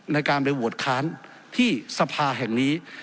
ในการไปโหวตค้านที่สภาแห่งนี้